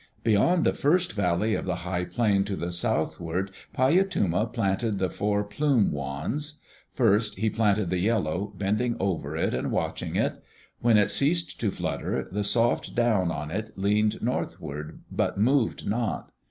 Beyond the first valley of the high plain to the southward Paiyatuma planted the four plume wands. First he planted the yellow, bending over it and watching it. When it ceased to flutter, the soft down on it leaned northward but moved not.